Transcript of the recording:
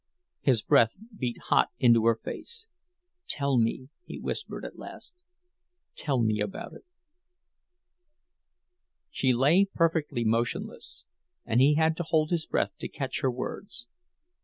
His breath beat hot into her face. "Tell me," he whispered, at last, "tell me about it." She lay perfectly motionless, and he had to hold his breath to catch her words.